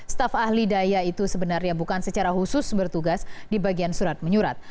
staf ahli daya itu sebenarnya bukan secara khusus bertugas di bagian surat menyurat